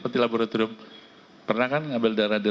mengatakan memperintahkan memperkenankan pengadaan obat obatnya pak